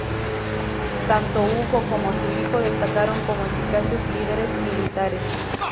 Tanto Hugo como su hijo destacaron como eficaces líderes militares.